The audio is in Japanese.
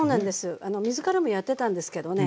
水からもやってたんですけどね